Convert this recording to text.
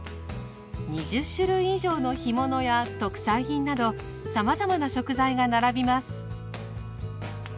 ２０種類以上の干物や特産品などさまざまな食材が並びます。